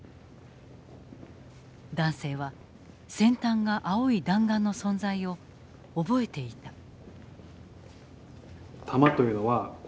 男性は先端が青い弾丸の存在を覚えていた。